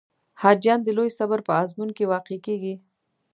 حاجیان د لوی صبر په آزمون کې واقع کېږي.